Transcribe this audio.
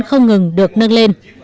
không ngừng được nâng lên